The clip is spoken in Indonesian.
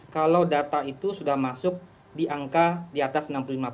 kalau data itu sudah masuk di angka di atas